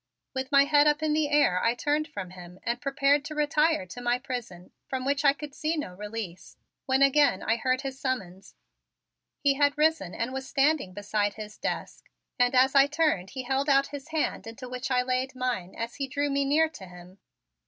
With my head up in the air I turned from him and prepared to retire to my prison from which I could see no release, when again I heard his summons. He had risen and was standing beside his desk and as I turned he held out his hand into which I laid mine as he drew me near to him.